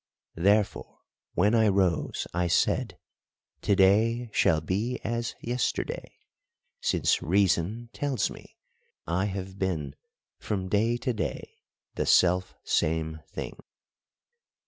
Therefore when I rose I said, To day shall be as yesterday, Since Reason tells me I have been From day to day the self same thing.